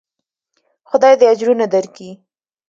خداى دې اجرونه دركي.